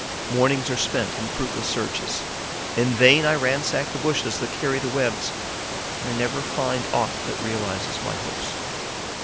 Mornings are spent in fruitless searches. In vain I ransack the bushes that carry the webs: I never find aught that realizes my hopes.